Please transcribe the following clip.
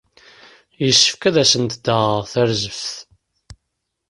Yessefk ad asent-d-aɣeɣ tarzeft.